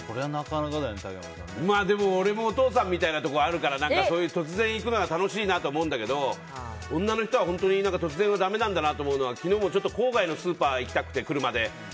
でも、俺もお父さんみたいなところあるから突然行くのが楽しいと思うけど女の人は突然はだめなんだなと思うのが昨日も郊外のスーパーに行きたくて、車で。